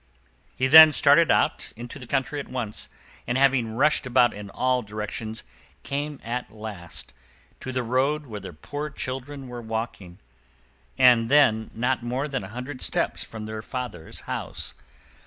He then started out into the country at once, and, having rushed about in all directions, came at last to the road where the poor children were walking, and then not more than a hundred steps from their father's house.